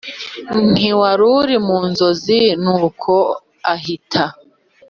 nkiwaruri munzozi nuko ahita